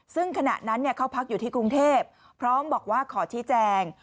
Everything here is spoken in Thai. ซึ่งขณะนั้นเนี่ยเขาพักอยู่ที่กรุงเทพฯเพราะบอกว่าขอที่แจง